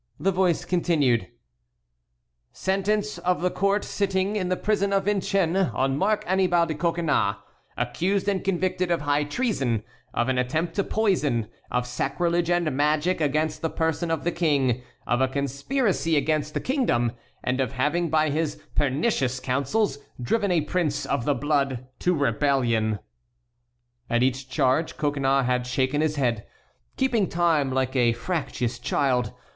The voice continued. "Sentence of the court sitting in the prison of Vincennes on Marc Annibal de Coconnas, accused and convicted of high treason, of an attempt to poison, of sacrilege and magic against the person of the King, of a conspiracy against the kingdom, and of having by his pernicious counsels driven a prince of the blood to rebellion." At each charge Coconnas had shaken his head, keeping time like a fractious child.